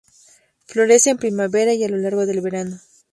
Florece en primavera y a lo largo del verano.